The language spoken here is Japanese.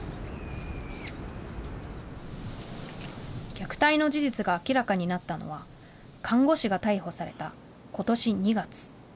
虐待の事実が明らかになったのは看護師が逮捕されたことし２月。